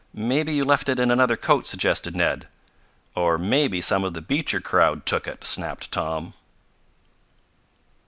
"Maybe you left it in another coat," suggested Ned. "Or maybe some of the Beecher crowd took it!" snapped Tom.